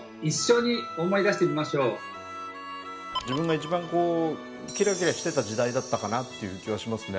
自分が一番こうキラキラしてた時代だったかなっていう気はしますね。